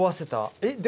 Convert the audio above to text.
えっ！？